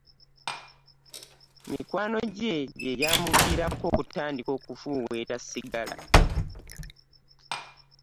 Mikwano gye, gye gya muvirako okutandika okufuweta sigala.